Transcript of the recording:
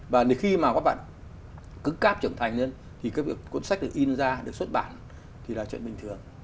và khi mà các bạn cứng cáp trưởng thành lên thì các cuốn sách được in ra được xuất bản thì là chuyện bình thường